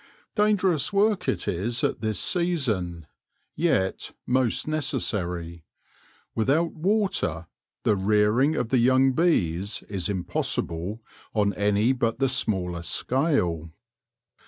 Dangerous work it is at this season, yet most neces sary. Without water the rearing of the young bees is impossible on any but the smallest scale.